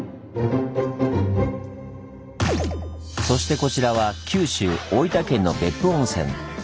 そしてこちらは九州大分県の別府温泉。